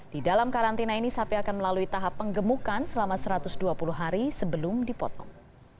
di dalam karantina ini sapi akan melalui tahap penggemukan selama satu ratus dua puluh hari sebelum dipotong